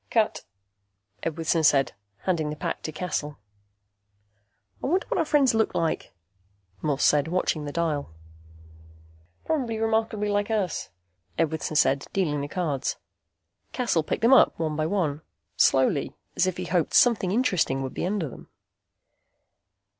"Cut," Edwardson said, handing the pack to Cassel. "I wonder what our friends look like," Morse said, watching the dial. "Probably remarkably like us," Edwardson said, dealing the cards. Cassel picked them up one by one, slowly, as if he hoped something interesting would be under them.